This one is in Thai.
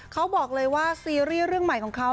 เขาบอกเลยว่าซีรีส์เรื่องใหม่ของเขา